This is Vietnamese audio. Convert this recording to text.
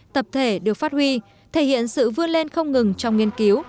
tập thể được phát huy thể hiện sự vươn lên không ngừng trong nghiên cứu